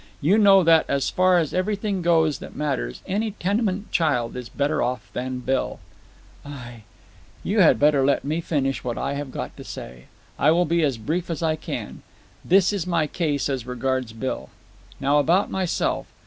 You know that, as far as everything goes that matters, any tenement child is better off than Bill." "I——" "You had better let me finish what I have got to say. I will be as brief as I can. That is my case as regards Bill. Now about myself.